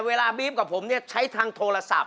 เวลาบี๊บกับผมนี่ใช้ทางโทรศัพท์